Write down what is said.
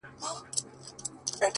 د همدې شپې هېرول يې رانه هېر کړل!